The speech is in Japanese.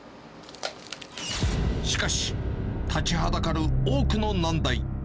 しかし、立ちはだかる多くの難題。